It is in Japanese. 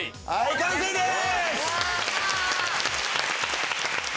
完成です！